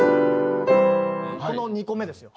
この２個目ですよ。